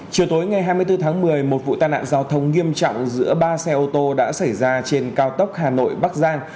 chiều tối ngày hai mươi bốn tháng một mươi một vụ tai nạn giao thông nghiêm trọng giữa ba xe ô tô đã xảy ra trên cao tốc hà nội bắc giang